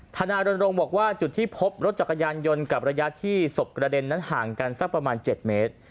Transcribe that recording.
ทนายรณรงค์บอกว่าจุดที่พบรถจักรยานยนต์กับระยะที่ศพกระเด็นนั้นห่างกันสักประมาณ๗เมตร